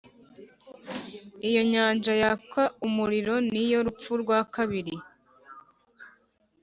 Iyo nyanja yaka umuriro ni yo rupfu rwa kabiri.